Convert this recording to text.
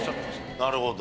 なるほど。